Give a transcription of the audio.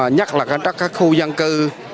nhất là các khu dân cư